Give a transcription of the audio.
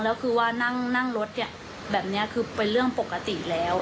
แล้วคือว่านั่งรถเนี่ยแบบนี้คือเป็นเรื่องปกติแล้ว